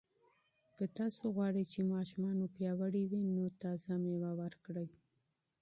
که تاسو غواړئ چې ماشومان مو پیاوړي وي، نو تازه مېوه ورکړئ.